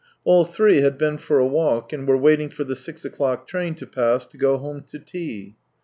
All three had been for a walk, and were waiting for the six o'clock train to pass to go home to tea.